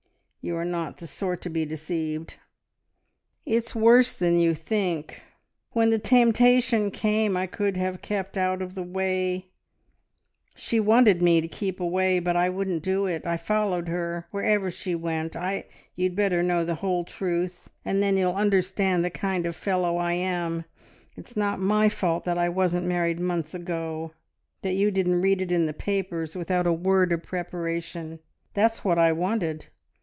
... You are not the sort to be deceived. ... It's worse than you think. ... When the temptation came, I could have kept out of the way ... she wanted me to keep away, but I wouldn't do it. I followed her wherever she went I you'd better know the whole truth, and then you'll understand the kind of fellow I am. It's not my fault that I wasn't married months ago, that you didn't read it in the papers without a word of preparation! That's what I wanted